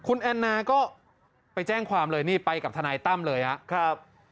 คุณแอนนาก็ไปแจ้งความเลยนี่ไปกับทนายตั้มเลยครับ